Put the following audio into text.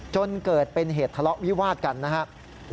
จนเกิดเป็นเหตุทะเลาะวิวาดกันนะครับ